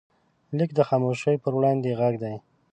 لیک د خاموشۍ پر وړاندې غږ دی.